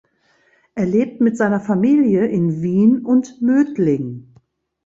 Er lebt mit seiner Familie in Wien und Mödling.